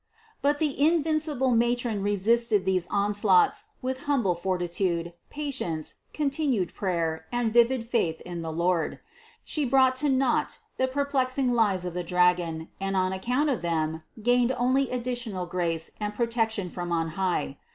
318. But the invincible matron resisted these on slaughts with humble fortitude, patience, continued prayer and vivid faith in the Lord. She brought to naught the perplexing lies of the dragon and on account of them gained only additional grace and protection from on high.